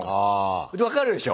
分かるでしょ？